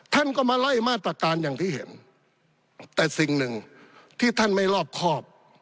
ท่านก็มาไล่มาตรการอย่างที่เห็นแต่สิ่งหนึ่งที่ท่านไม่รอบครอบ